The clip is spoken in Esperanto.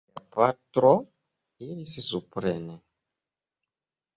Mia patro iris supren.